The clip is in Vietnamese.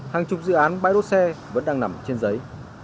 hàng chục dự án bãi đỗ xe vẫn đang nằm trên giấy